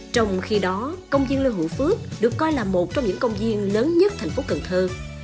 trong khi đó công viên lưu hữu phước được coi là một trong những công viên lớn nhất thành phố cần thơ